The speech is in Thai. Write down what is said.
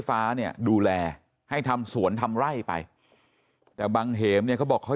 ฟ้าเนี่ยดูแลให้ทำสวนทำไร่ไปแต่บังเหมเนี่ยเขาบอกเขา